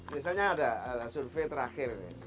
misalnya ada survei terakhir